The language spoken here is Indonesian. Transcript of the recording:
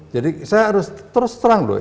jadi saya harus terus terang loh